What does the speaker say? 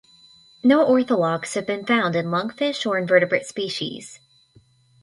No orthologs have been found in lungfish or invertebrate species.